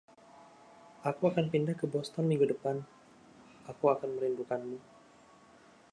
"Aku akan pindah ke Boston minggu depan." "Aku akan merindukanmu."